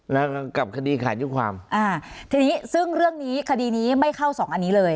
แล้วกับคดีขาดยุความอ่าทีนี้ซึ่งเรื่องนี้คดีนี้ไม่เข้าสองอันนี้เลย